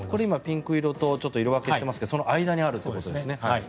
ピンク色で色分けしてますがその間にあるということですね。